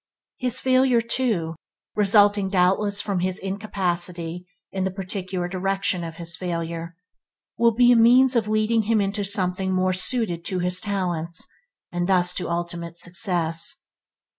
His failure, too, resulting doubtless from his incapacity in the particular direction of his failure, will be a means of leading him into something more suited to his talents, and thus to ultimate success.